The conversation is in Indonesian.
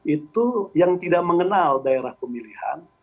itu yang tidak mengenal daerah pemilihan